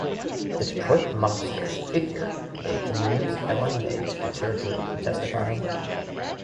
The Detroit mobsters figure they can use Ellen May to deter Drew from testifying.